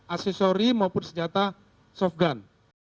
aksesori maupun senjata softgun